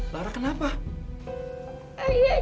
bang cepat ya